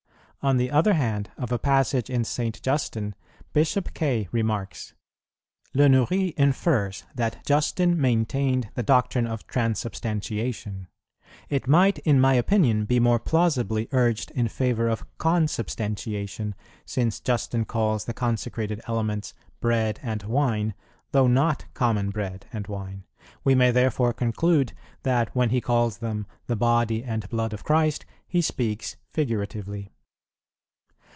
On the other hand, of a passage in St. Justin, Bishop Kaye remarks, "Le Nourry infers that Justin maintained the doctrine of Transubstantiation; it might in my opinion be more plausibly urged in favour of Consubstantiation, since Justin calls the consecrated elements Bread and Wine, though not common bread and wine.[24:1] ... We may therefore conclude that, when he calls them the Body and Blood of Christ, he speaks figuratively."